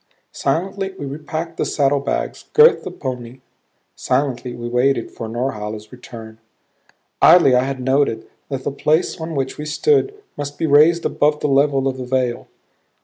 Silently we repacked the saddlebags; girthed the pony; silently we waited for Norhala's return. Idly I had noted that the place on which we stood must be raised above the level of the vale.